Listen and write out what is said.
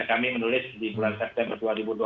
kami menulis di bulan september dua ribu dua puluh